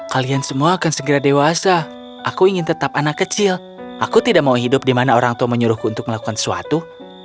kalian semua akan segera dewasa aku ingin tetap anak kecil aku tidak mau hidup di mana orang tua menyuruhku untuk melakukan sesuatu